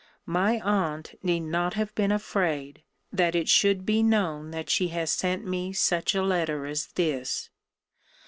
My aunt need not have been afraid, that it should be known that she has sent me such a letter as this!